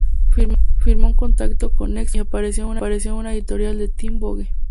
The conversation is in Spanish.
Firmó un contrato con Next Models y apareció en una editorial de "Teen Vogue".